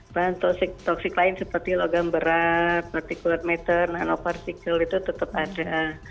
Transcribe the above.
bahan toksik lain seperti logam berat particulate matter nanopartikel itu tetap ada